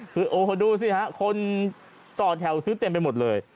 คือโอ้ดูสิฮะคนต่อแถวซื้อเต็มไปหมดเลย